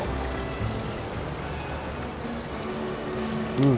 うん。